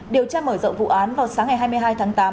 điều tra mở rộng vụ án vào sáng ngày hai mươi hai tháng tám